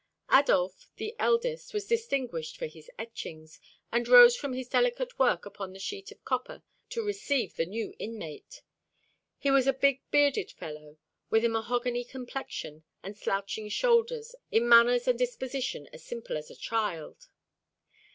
Adolphe, the eldest, was distinguished for his etchings, and rose from his delicate work upon a sheet of copper to receive the new inmate. He was a big bearded fellow, with a mahogany complexion and slouching shoulders, in manners and disposition as simple as a child.